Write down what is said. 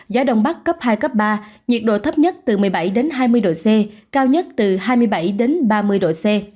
gió đông bắc cấp hai cấp ba nhiệt độ thấp nhất từ một mươi bảy đến hai mươi độ c cao nhất từ hai mươi bảy đến ba mươi độ c